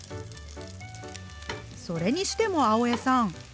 それにしても青江さん